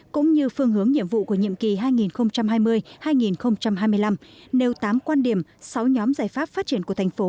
cũng như phương hướng nhiệm vụ của nhiệm kỳ hai nghìn hai mươi hai nghìn hai mươi năm nêu tám quan điểm sáu nhóm giải pháp phát triển của thành phố